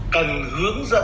cần hướng dẫn